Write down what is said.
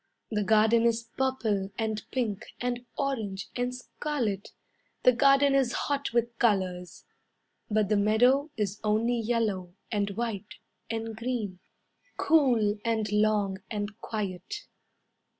The garden is purple, and pink, and orange, and scarlet; The garden is hot with colours. But the meadow is only yellow, and white, and green, Cool, and long, and quiet.